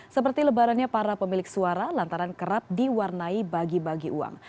seperti lebarannya para pemilik suara lantaran kerap diwarnai bagi bagi uang